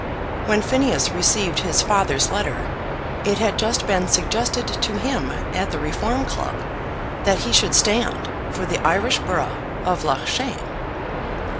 When Phineas received his father's letter, it had just been suggested to him at the Reform Club that he should stand for the Irish borough of Loughshane.